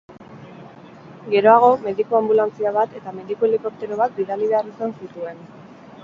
Geroago, mediku-anbulantzia bat eta meduki-helikoptero bat bidali behar izan zituen.